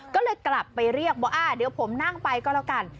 ก็เลยกลับไปเรียกว่าอ่าเดี๋ยวผมนั่งไปก็แล้วกัน